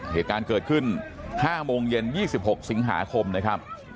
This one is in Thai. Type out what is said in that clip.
เหตุการณ์เกิดขึ้น๕โมงเย็น๒๖สิงหาคมนะครับ